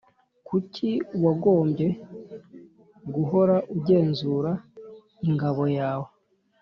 Kuki wagombye guhora ugenzura ingabo yawe.